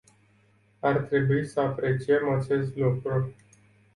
Ar trebui să apreciem acest lucru.